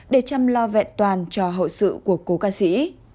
để chăm lo vẹn toàn cho hậu sự của cố ca sĩ